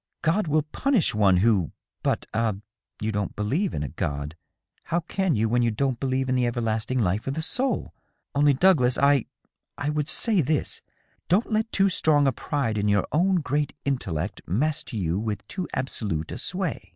" God will punish one who — ^But ah, you don't believe in a God :*. how can you, when you don't believe in the everlasting life of the soul ? Only, Douglas, I — I would say this : Don't let too strong a pride in your own great intellect master you with too absolute a sway